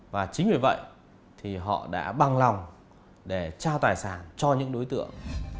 và chính vì vậy thì họ đã bằng lòng để trao tài sản cho những đối tượng